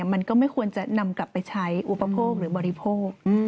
มันก็ไม่ควรจะนำกลับไปใช้อุปโภคหรือบริโภค